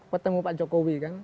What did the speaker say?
petemu pak jokowi kan